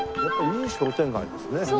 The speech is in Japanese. やっぱいい商店街ですね。